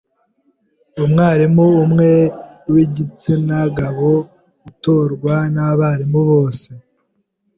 Umwarimu umwe w’igitsina gabo utorwa n’abarimu bose;